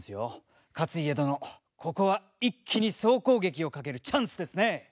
勝家殿ここは一気に総攻撃をかけるチャンスですね！